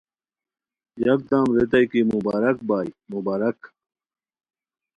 یکدم ریتائے کی مبارک بائے مبارک